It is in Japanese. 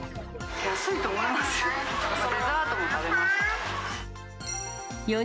安いと思いますよ。